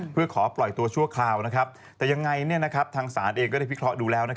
เพื่อขอปล่อยตัวชั่วคราวแต่ยังไงทางศาลเองก็ได้พิเคราะห์ดูแล้ว